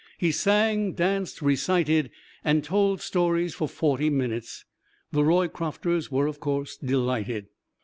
He sang, danced, recited, and told stories for forty minutes. The Roycrofters were, of course, delighted.